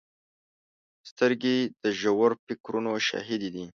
سترګې د ژور فکرونو شاهدې دي